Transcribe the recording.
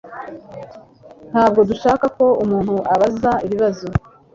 Ntabwo dushaka ko umuntu abaza ibibazo.